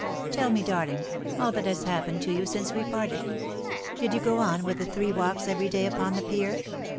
Tell me, darling, aU that has happened to you since we parted. Did you go on with the three walks everyday upon the pier